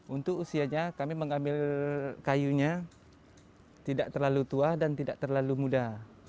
untuk usianya kami mengambil kayunya tidak terlalu tua dan tidak terlalu muda